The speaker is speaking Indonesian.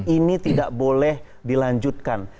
ini tidak boleh dilanjutkan